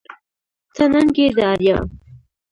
ته ننگ يې د اريا